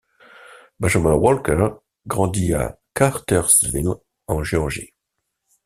Benjamin Walker grandit à Cartersville, en Géorgie.